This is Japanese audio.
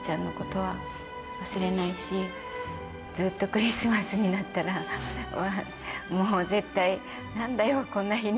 ずっとクリスマスになったらもう絶対「なんだよこんな日に」